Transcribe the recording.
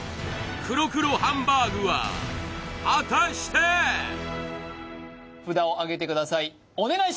黒×黒ハンバーグは果たして札をあげてください